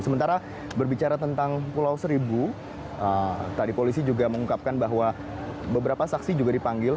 sementara berbicara tentang pulau seribu tadi polisi juga mengungkapkan bahwa beberapa saksi juga dipanggil